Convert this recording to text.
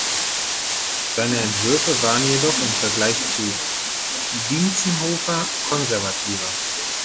Seine Entwürfe waren jedoch im Vergleich zu Dientzenhofer konservativer.